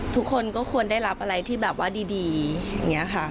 ทุกคนก็ควรได้รับอะไรที่แบบว่าดีอย่างนี้ค่ะ